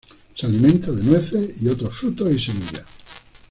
Se alimenta de nueces y otros frutos y semillas.